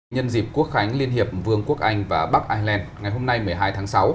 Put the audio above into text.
nhân dịp quốc khánh liên hiệp vương quốc anh và bắc ireland ngày hôm nay một mươi hai tháng sáu